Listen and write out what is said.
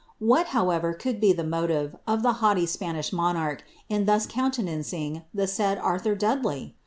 What, however, could be the motive of the haughty Spanish monarch in thus countenancing the said Arthur Dudley